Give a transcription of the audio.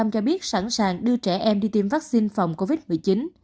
tám mươi một cho biết sẵn sàng đưa trẻ em đi tiêm vaccine phòng covid một mươi chín